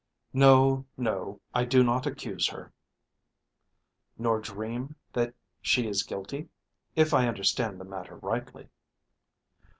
"No, no. I do not accuse her." "Nor dream that she is guilty, if I understand the matter rightly."